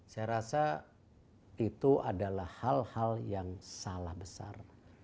saya rasa itu adalah hal hal yang salah besar